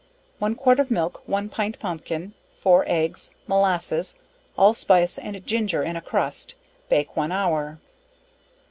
One quart of milk, 1 pint pompkin, 4 eggs, molasses, allspice and ginger in a crust, bake 1 hour.